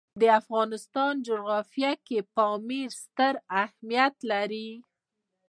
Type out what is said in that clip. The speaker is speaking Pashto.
د افغانستان جغرافیه کې پامیر ستر اهمیت لري.